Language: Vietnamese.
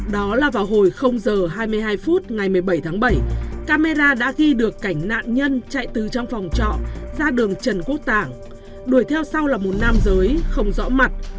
đó là vào hồi h hai mươi hai phút ngày một mươi bảy tháng bảy camera đã ghi được cảnh nạn nhân chạy từ trong phòng trọ ra đường trần quốc tảng đuổi theo sau là một nam giới không rõ mặt